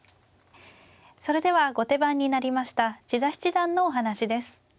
それでは後手番になりました千田七段のお話です。